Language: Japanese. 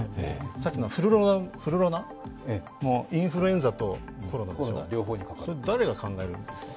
さっきのフルロナ、インフルエンザとコロナ、それは誰が考えるんですか？